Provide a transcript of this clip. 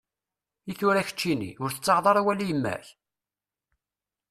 Itura keččini, ur tettaɣeḍ ara awal i yemma-k?